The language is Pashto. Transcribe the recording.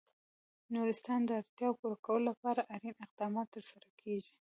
د نورستان د اړتیاوو پوره کولو لپاره اړین اقدامات ترسره کېږي.